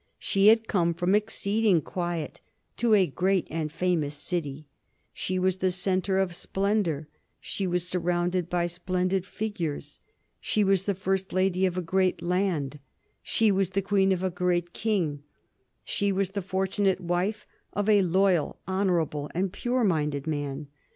She had come from exceeding quiet to a great and famous city; she was the centre of splendor; she was surrounded by splendid figures; she was the first lady of a great land; she was the queen of a great king; she was the fortunate wife of a loyal, honorable, and pure minded man.